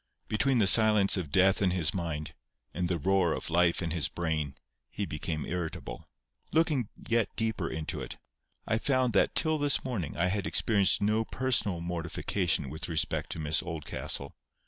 Between the silence of death in his mind, and the roar of life in his brain, he became irritable. Looking yet deeper into it, I found that till this morning I had experienced no personal mortification with respect to Miss Oldcastle.